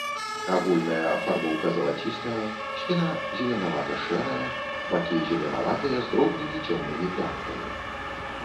Агульная афарбоўка залацістая, спіна зеленавата-шэрая, бакі зеленаватыя з дробнымі цёмнымі плямкамі.